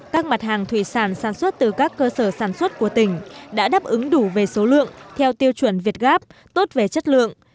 các mặt hàng thủy sản sản xuất từ các cơ sở sản xuất của tỉnh đã đáp ứng đủ về số lượng theo tiêu chuẩn việt gáp tốt về chất lượng